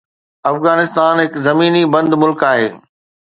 افغانستان هڪ زميني بند ملڪ آهي